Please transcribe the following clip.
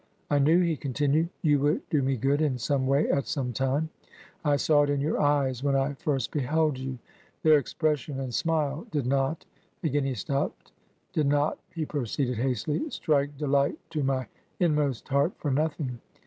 'I knew,' he continued, 'you would do me good, in some way, at some time; — I saw it in your eyes when I first beheld you : their expression and smile did not '— (again he stopped) — ^'did not' (he proceeded hastily) 'strike delight to my inmost heart for nothing.